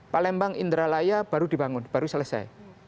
palembang indralaya baru dibangun baru selesai